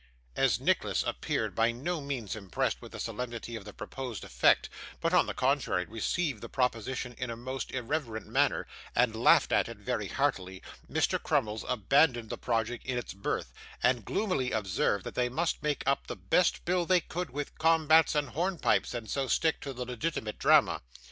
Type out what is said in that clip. As Nicholas appeared by no means impressed with the solemnity of the proposed effect, but, on the contrary, received the proposition in a most irreverent manner, and laughed at it very heartily, Mr. Crummles abandoned the project in its birth, and gloomily observed that they must make up the best bill they could with combats and hornpipes, and so stick to the legitimate drama.